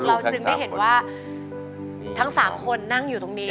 เราจึงได้เห็นว่าทั้ง๓คนนั่งอยู่ตรงนี้